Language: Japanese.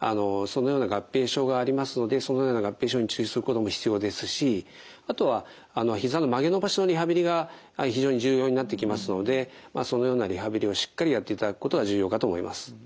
そのような合併症がありますのでそのような合併症に注意することも必要ですしあとはひざの曲げ伸ばしのリハビリが非常に重要になってきますのでそのようなリハビリをしっかりやっていただくことが重要かと思います。